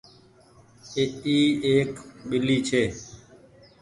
اي ايڪ ٻلي ڇي۔